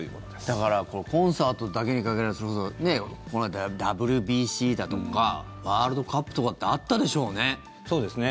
だからコンサートだけに限らずそれこそ、この間だったらＷＢＣだとかワールドカップとかってあったでしょうね。